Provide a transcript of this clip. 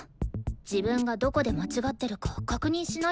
自分がどこで間違ってるか確認しないと。